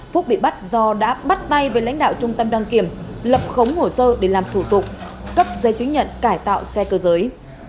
phúc bị bắt do đã bắt tay với lãnh đạo trung tâm đăng kiểm lập khống hồ sơ để làm thủ tục cấp giấy chứng nhận cải tạo xe cơ giới